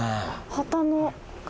旗の。